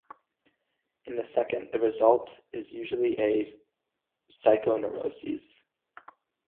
In the second the result is usually a psychoneurosis.